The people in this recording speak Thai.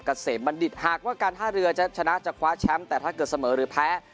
เกษมบัณฑิตหากว่าการท่าเรือจะชนะจะคว้าแชมป์แต่ถ้าเกิดเสมอหรือแพ้